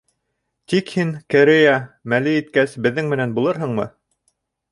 Тик һин, Керея, мәле еткәс, беҙҙең менән булырһыңмы?